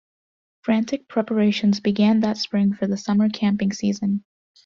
Frantic preparations began that spring for the summer camping season.